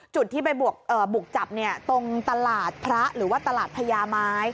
จุดที่ไปบวกเอ่อบุกจับเนี่ยตรงตลาดพระหรือว่าตลาดพญาม้าย